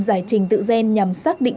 giải trình tự gen nhằm xác định